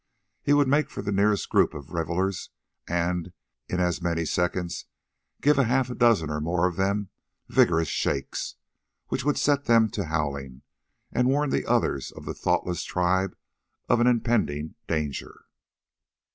He would make for the nearest group of revellers, and, in as many seconds, give a half dozen or more of them vigorous shakes, which would set them to howling, and warn the others of the thoughtless tribe of an impending danger.